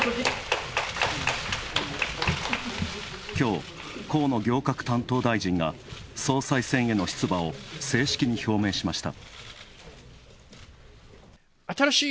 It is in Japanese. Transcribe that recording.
きょう、河野行革担当大臣が総裁選への出馬を正式に表明しました。